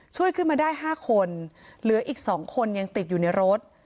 ช่วยขึ้นมาได้๕คนเหลืออีก๒คนยังติดอยู่ในรถ